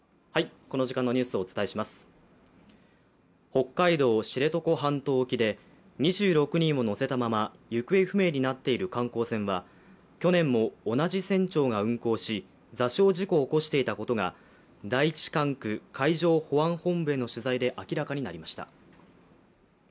北海道・知床半島沖で２６人を乗せたまま行方不明になっている観光船は去年も同じ船長が運航し座礁事故を起こしていたことが第一管区海上保安本部への取材で明らかになりました。